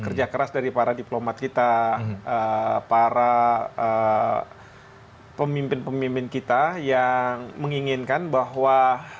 kerja keras dari para diplomat kita para pemimpin pemimpin kita yang menginginkan bahwa